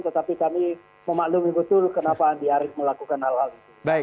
tetapi kami memaklumi betul kenapa andi arief melakukan hal hal itu